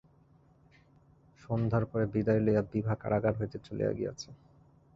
সন্ধ্যার পরে বিদায় লইয়া বিভা কারাগার হইতে চলিয়া গিয়াছে।